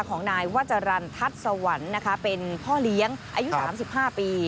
ของนายวจรรย์ทัศน์สวรรค์นะคะเป็นพ่อเลี้ยงอายุ๓๕ปี